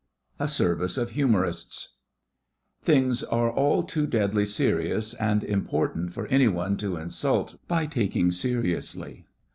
A SERVICE OF HUMOURISTS Things are all too deadly serious and important for any one to insult by taking seriously.